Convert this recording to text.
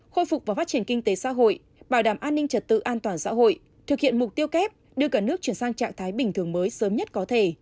khôi phục và phát triển kinh tế xã hội bảo đảm an ninh trật tự an toàn xã hội thực hiện mục tiêu kép đưa cả nước chuyển sang trạng thái bình thường mới sớm nhất có thể